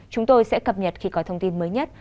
chúng tôi sẽ cập nhật khi có thông tin mới nhất